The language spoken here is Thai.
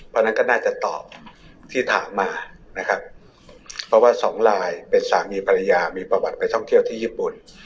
เพราะฉะนั้นก็น่าจะตอบที่ถามมานะครับเพราะว่าสองลายเป็นสามีภรรยามีประวัติไปท่องเที่ยวที่ญี่ปุ่น